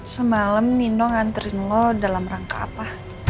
semalem nino nganterin lu dalam rangka apa